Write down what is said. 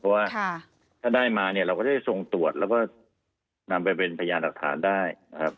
เพราะว่าถ้าได้มาเนี่ยเราก็จะส่งตรวจแล้วก็นำไปเป็นพยานหลักฐานได้นะครับ